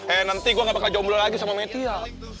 eh nanti gue gak bakal jomblo lagi sama media